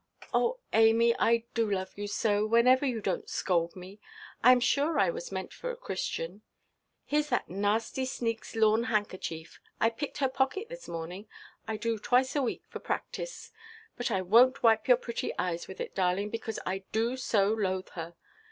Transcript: "Oh, Amy, I do love you so, whenever you donʼt scold me. I am sure I was meant for a Christian. Hereʼs that nasty sneakʼs lawn handkerchief. I picked her pocket this morning. I do twice a week for practice. But I wonʼt wipe your pretty eyes with it, darling, because I do so loathe her.